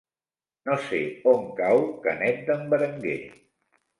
No sé on cau Canet d'en Berenguer.